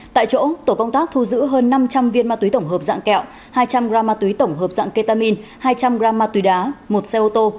tại chỗ tổ công tác thu giữ hơn năm trăm linh viên ma túy tổng hợp dạng kẹo hai trăm linh g ma túy tổng hợp dạng ketamin hai trăm linh g ma túy đá một xe ô tô